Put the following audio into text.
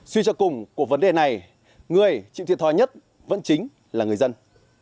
xuyên cho cùng của vấn đề này người chịu thiệt thoa nhất vẫn chính là người dân